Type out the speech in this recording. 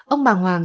ông bàng hoàng